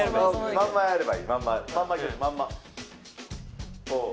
まんまやればいい。